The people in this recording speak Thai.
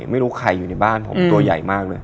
ไม่รู้ใครอยู่ในบ้านผมตัวใหญ่มากเลย